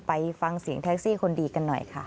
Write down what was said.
ไปฟังเสียงแท็กซี่คนดีกันหน่อยค่ะ